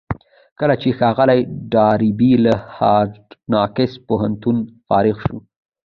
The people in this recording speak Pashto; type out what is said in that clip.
کله چې ښاغلی ډاربي له هارډ ناکس پوهنتونه فارغ شو.